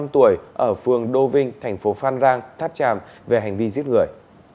năm mươi năm tuổi ở phường đô vinh thành phố phan rang tháp tràm về hành vi giết người